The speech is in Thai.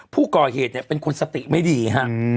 ผู้ก่อเหตุเนี่ยเป็นคนสติไม่ดีฮะ